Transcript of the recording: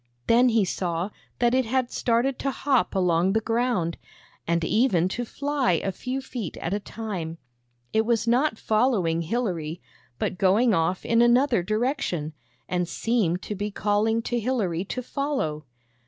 Then he saw that it had started to hop along the ground, and even to fly a few feet at a hi THE BAG OF SMILES time. It was not following Hilary, but going off in another direction, and seemed to be calling to Hilary to follow.